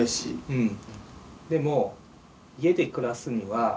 うん。